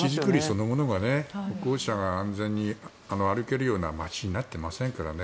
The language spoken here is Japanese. そのものが歩行者が安全に歩けるような街づくりになってませんからね。